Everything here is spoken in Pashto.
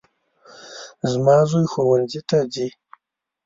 زما زوی ښوونځي ته ځي